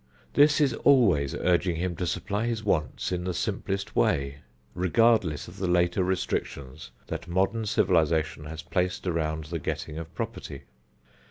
This is always urging him to supply his wants in the simplest way, regardless of the later restrictions that modern civilization has placed around the getting of property.